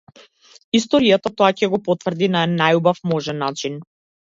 Историјата тоа ќе го потврди на најубав можен начин.